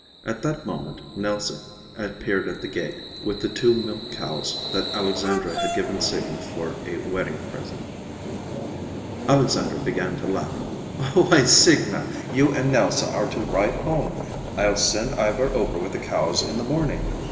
At that moment Nelse appeared at the gate with the two milk cows that Alexandra had given Signa for a wedding present. Alexandra began to laugh. "Why, Signa, you and Nelse are to ride home. I'll send Ivar over with the cows in the morning."